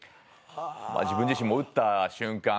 自分自身も打った瞬間